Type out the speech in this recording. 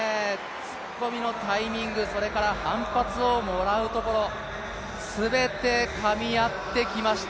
突っ込みのタイミング反発をもらうところ全てかみ合ってきました。